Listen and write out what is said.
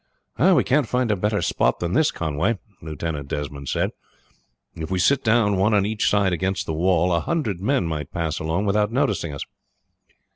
"We can't find a better spot than this, Conway," Lieutenant Desmond said. "If we sit down one on each side against the wall, a hundred men might pass along without noticing us."